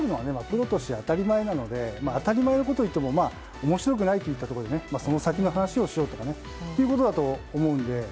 プロとして当たり前なので当たり前のことを言っても面白くないといったところでその先の話をしようとかいうことだと思うので。